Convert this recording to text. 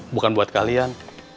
bukan buat kalian